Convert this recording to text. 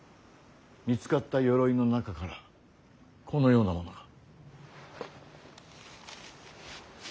見つかった鎧の中からこのようなものが。